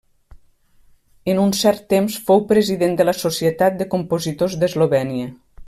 En un cert temps fou President de la Societat de Compositors d'Eslovènia.